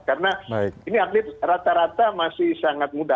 karena ini atlet rata rata masih sangat muda